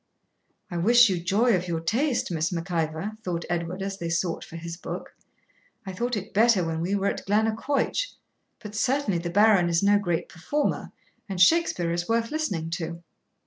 'I wish you joy of your taste, Miss Mac Ivor,' thought Edward, as they sought for his book. 'I thought it better when we were at Glennaquoich; but certainly the Baron is no great performer, and Shakspeare is worth listening to.'